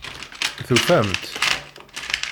Tufam-tt?